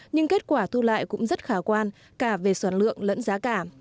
nhưng kết quả thu lại cũng rất khả quan cả về sản lượng lẫn giá cả